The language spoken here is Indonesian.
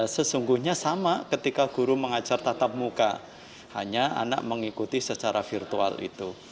sesungguhnya sama ketika guru mengajar tatap muka hanya anak mengikuti secara virtual itu